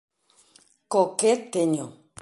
Co que teño